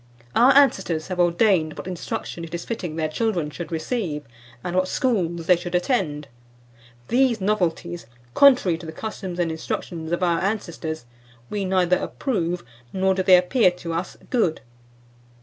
Our ancestors have ordained what instruction it is fitting their children should receive, and what schools they should attend. These novelties, contrary to the customs and instructions of our ancestors, we neither approve, nor do they appear to us good.